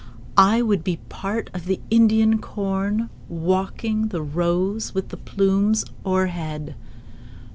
I would be part of the Indian corn, Walking the rows with the plumes o'erhead.